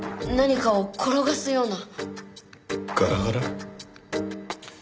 ガラガラ？